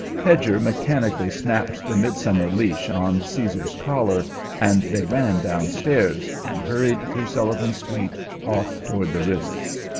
Hedger mechanically snapped the midsummer leash on Caesar's collar and they ran downstairs and hurried through Sullivan Street off toward the river.